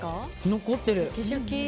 残ってる。